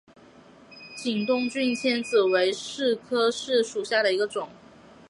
景东君迁子为柿科柿属下的一个种。